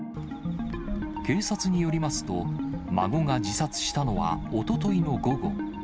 警察によりますと、孫が自殺したのはおとといの午後。